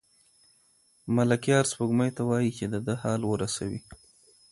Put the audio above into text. ملکیار سپوږمۍ ته وايي چې د ده حال ورسوي.